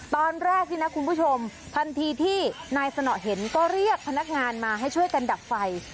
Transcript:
ตอนแรกนี่นะคุณผู้ชมทันทีที่นายสนอเห็นก็เรียกพนักงานมาให้ช่วยกันดับไฟ